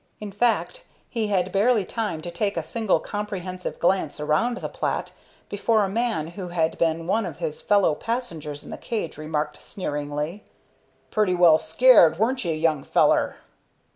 In fact, he had barely time to take a single comprehensive glance around the plat before a man who had been one of his fellow passengers in the cage remarked, sneeringly: "Pretty well scared, wasn't you, young feller?"